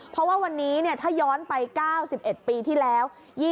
เพราะว่าวันนี้ถ้าย้อนไป๙๑ปีที่แล้ว